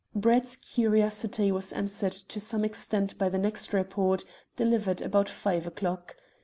Brett's curiosity was answered to some extent by the next report, delivered about five o'clock.